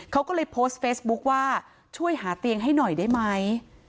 เขาก็เลยโพสต์เฟซบุ๊คว่าช่วยหาเตียงให้หน่อยได้ไหม